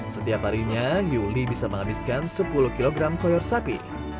setiap harinya yuli bisa menghabiskan sepuluh kg koyor sapi